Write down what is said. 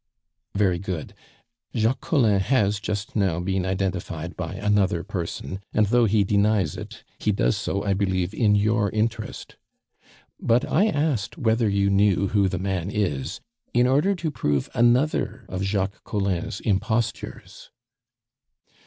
"Very good. Jacques Collin has just now been identified by another person, and though he denies it, he does so, I believe, in your interest. But I asked whether you knew who the man is in order to prove another of Jacques Collin's impostures."